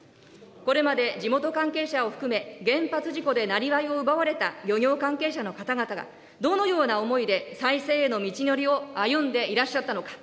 これまで、地元関係者を含め、原発事故でなりわいを奪われた漁業関係者の方々が、どのような思いで再生への道のりを歩んでいらっしゃったのか。